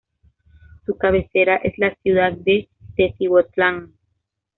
Su cabecera es la ciudad de Teziutlán.